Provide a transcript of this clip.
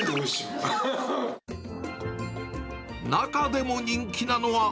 中でも人気なのは。